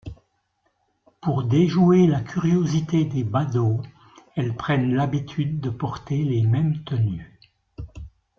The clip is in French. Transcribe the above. Pour déjouer la curiosité des badauds, elles prennent l'habitude de porter les mêmes tenues.